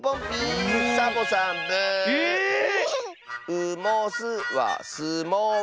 「う・も・す」は「す・も・う」。